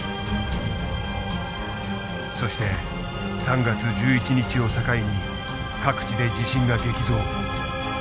そして３月１１日を境に各地で地震が激増。